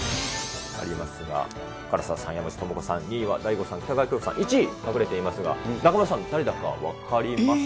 ありますが、唐沢さん、山口智子さん、２位はＤＡＩＧＯさん、北川景子さん、１位、隠れていますが、中丸さん、誰だか分かります？